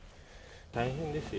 大変ですよ。